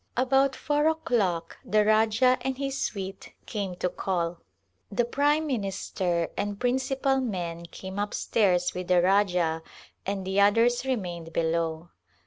About four o'clock the Rajah and his suite came to call. The prime minister and principal men came up stairs with the Rajah and the others remained be low.